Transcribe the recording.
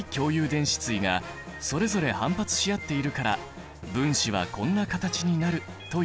電子対がそれぞれ反発し合っているから分子はこんな形になるというわけ。